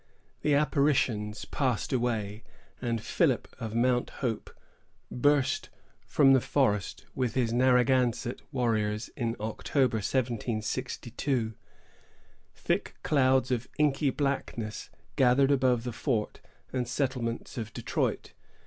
The apparitions passed away, and Philip of Mount Hope burst from the forest with his Narragansett warriors. In October, 1762, thick clouds of inky blackness gathered above the fort and settlement of Detroit.